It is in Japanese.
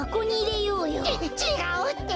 ちちがうって！